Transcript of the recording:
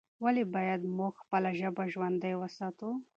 ولې باید موږ خپله ژبه ژوندۍ وساتو؟